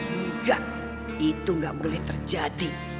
enggak itu nggak boleh terjadi